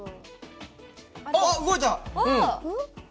あっ動いた！